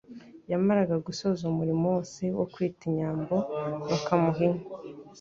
Yamaraga gusoza uwo murimo wose wo kwita inyambo bakamuha inka